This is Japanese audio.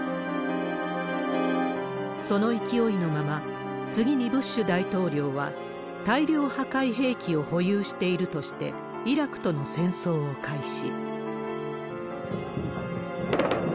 その勢いのまま、次にブッシュ大統領は大量破壊兵器を保有しているとして、イラクとの戦争を開始。